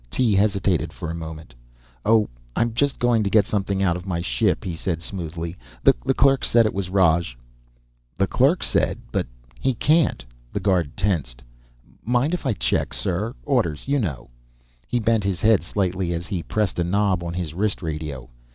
Tee hesitated for a moment. "Oh, I'm just going to get something out of my ship," he said, smoothly. "The clerk said it was roj." "The clerk said? But he can't " The guard tensed. "Mind if I check, sir? Orders, you know." He bent his head slightly as he pressed a knob on his wrist radio.